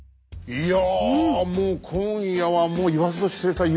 いや。